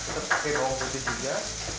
terus pakai bawang putih juga